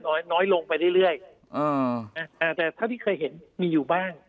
น้อยน้อยลงไปเรื่อยเรื่อยอ่าแต่เท่าที่เคยเห็นมีอยู่บ้าง